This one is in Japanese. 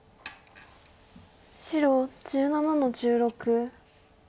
白１７の十六。